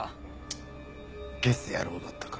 チッゲス野郎だったか。